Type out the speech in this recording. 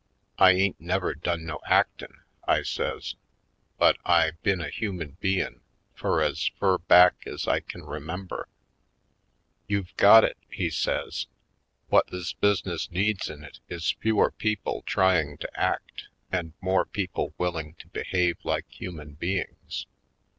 I ain't never done no actin'," I says, "but I been a human bein' fur ez fur back ez I kin remember." "You've got it!" he says. "What this business needs in it is fewer people trying to act and more people willing to behave like human beings.